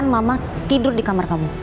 mama tidur di kamar kamu